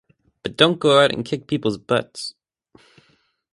But don't go out and kick people's butts.